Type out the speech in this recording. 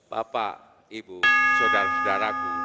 bapak ibu saudara saudaraku